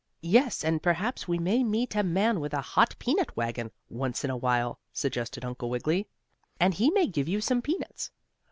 "Yes, and perhaps we may meet a man with a hot peanut wagon, once in a while," suggested Uncle Wiggily, "and he may give you some peanuts."